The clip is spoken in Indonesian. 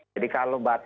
jadi kalau batas minimum